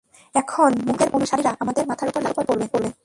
এখন মুহাম্মাদের অনুসারীরা আমাদের মাথার উপর লাফিয়ে পড়বে।